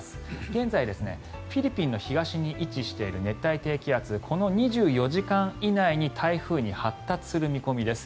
現在、フィリピンの東に位置している熱帯低気圧この２４時間以内に台風に発達する見込みです。